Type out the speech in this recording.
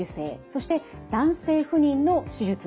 そして男性不妊の手術なんです。